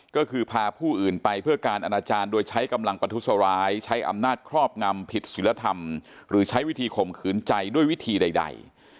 ก็คือพาผู้อื่นไปเพื่อการอนาจารย์โดยใช้กำลังประทุษร้ายใช้อำนาจครอบงำผิดศิลธรรมหรือใช้วิธีข่มขืนใจด้วยวิธีใด